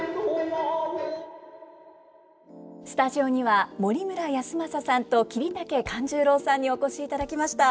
スタジオには森村泰昌さんと桐竹勘十郎さんにお越しいただきました。